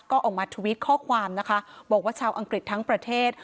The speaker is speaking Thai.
ก็ออกมาทวิตข้อความนะคะบอกว่าชาวอังกฤษทั้งประเทศ